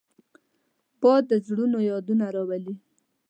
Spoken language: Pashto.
باد د زړه یادونه راولي